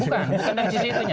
bukan bukan dari sisi itunya